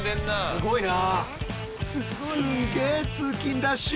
すごいな。